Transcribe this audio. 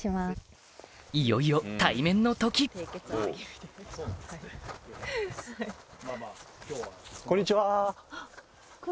いよいよ対面の時こんにちは！